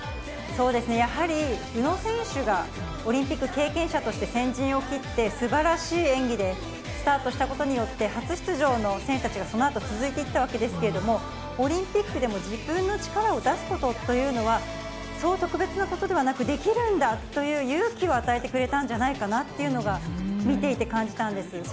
やはり宇野選手がオリンピック経験者として先陣を切って、すばらしい演技でスタートしたことによって、初出場の選手たちがそのあと続いていったわけですけれども、オリンピックでも自分の力を出すことというのは、そう特別なことではなく、できるんだという勇気を与えてくれたんじゃないかなっていうのが、見ていて感じたんです。